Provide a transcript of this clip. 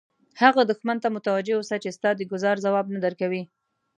هغه دښمن ته متوجه اوسه چې ستا د ګوزار ځواب نه درکوي.